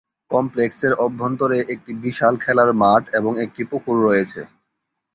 কমপ্লেক্সের অভ্যন্তরে একটি বিশাল খেলার মাঠ এবং একটি পুকুর রয়েছে।